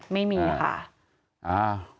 ไม่มีค่ะ